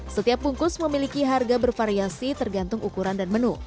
setiap bungkus memiliki harga bervariasi tergantung ukuran dan menu